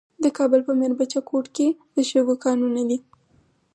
د کابل په میربچه کوټ کې د شګو کانونه دي.